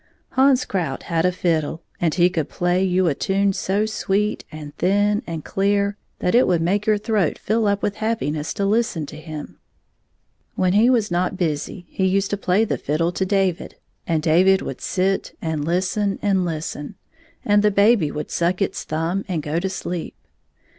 Hans Krout had a fiddle, and he could play you a tune so sweet and thin and clear that it would make your throat fill up with happiness to listen to him. When he was not busy he used to play the fid dle to David, and David would sit and Usten and listen, and the baby would suck its thumb and go to sleep.